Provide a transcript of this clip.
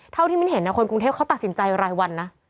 เท่าที่มิ้นเห็นคนกรุงเทพเขาตัดสินใจรายวันนะ